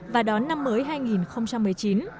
và đón năm mới hai nghìn một mươi chín